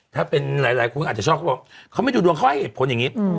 ถ้าเป็นหลายคนอาจจะชอบเขาบอกเขาไม่ดูดวงเขาให้เหตุผลอย่างนี้